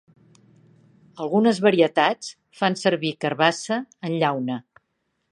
Algunes varietats fan servir carbassa en llauna.